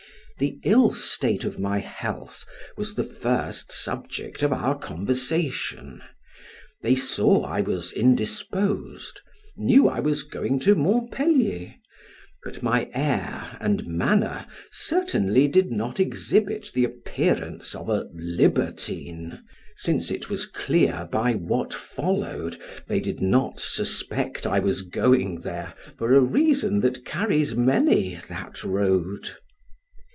The ill state of my health was the first subject of our conversation; they saw I was indisposed, knew I was going to Montpelier, but my air and manner certainly did not exhibit the appearance of a libertine, since it was clear by what followed they did not suspect I was going there for a reason that carries many that road.